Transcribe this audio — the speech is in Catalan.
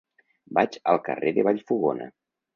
Vaig al carrer de Vallfogona.